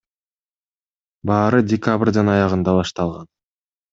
Баары декабрдын аягында башталган.